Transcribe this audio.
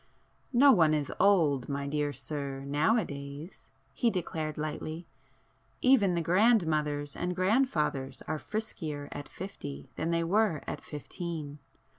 "No one is old, my dear sir, nowadays!" he declared lightly—"even the grandmothers and grandfathers are friskier at fifty than they were at fifteen.